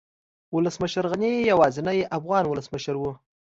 ولسمشر غني يوازينی افغان ولسمشر و